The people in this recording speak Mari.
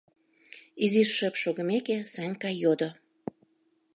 — изиш шып шогымеке, Санька йодо.